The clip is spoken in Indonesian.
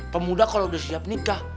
pemuda kalau sudah siap nikah